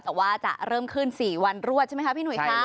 แต่ว่าจะเริ่มขึ้น๔วันรวดใช่ไหมคะพี่หนุ่ยค่ะ